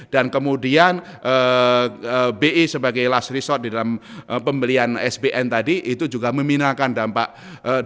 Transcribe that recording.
dan kemudian bi sebagai last resort dalam pembelian sbn tadi itu juga meminahkan dampak terhadap inflasi tersebut